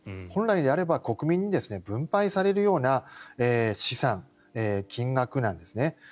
本来であれば国民に分配されるような資産、金額なんですね。